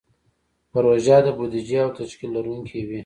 پروژه د بودیجې او تشکیل لرونکې وي.